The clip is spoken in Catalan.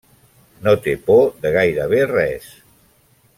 No té por de gairebé res.